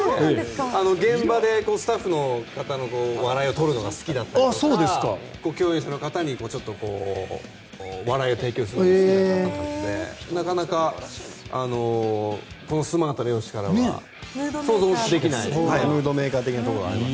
現場でスタッフの方の笑いを取るのが好きだったりとか共演者の方にちょっと笑いを提供するような方なのでなかなかこのスマートな容姿から想像できないムードメーカー的なところがあります。